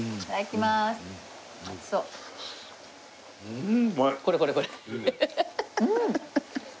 うん！